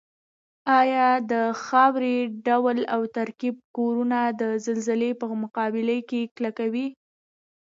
ایا د خاورې ډول او ترکیب کورنه د زلزلې په مقابل کې کلکوي؟